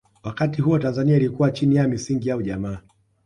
wakati huo tanzania ilikuwa chini ya misingi ya ujamaa